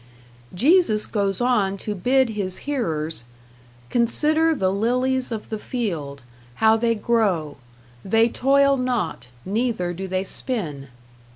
Jesus goes on to bid his hearers: "Consider the lilies of the field, how they grow; they toil not, neither do they spin."